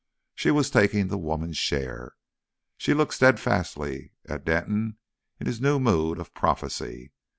She was taking the woman's share. She looked steadfastly at Denton in his new mood of prophecy.